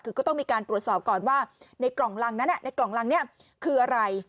คือก็ต้องมีการตรวจสอบก่อนว่าในกล่องรังนั้นในกล่องรังนี้คืออะไร